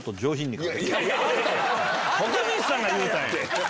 徳光さんが言うたんや！